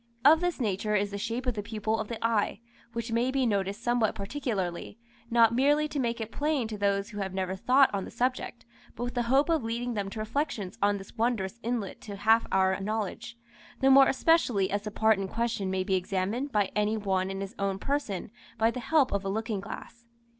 Of this nature is the shape of the pupil of the eye, which may be noticed somewhat particularly, not merely to make it plain to those who have never thought on the subject, but with the hope of leading them to reflections on this wondrous inlet to half our knowledge, the more especially as the part in question may be examined by any one in his own person by the help of a looking glass.